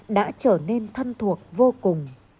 đã trở nên thân thuộc vô cùng